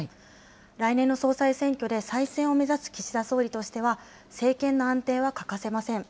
来年の総裁選挙で再選を目指す岸田総理としては、政権の安定は欠かせません。